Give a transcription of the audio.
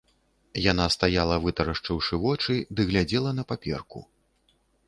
Яна стаяла, вытрашчыўшы вочы, ды глядзела на паперку.